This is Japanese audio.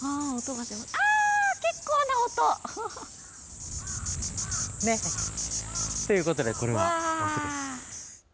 わー、結構な音！ということでこれはオスです。